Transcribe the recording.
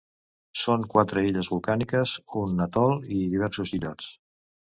Són quatre illes volcàniques, un atol i diversos illots.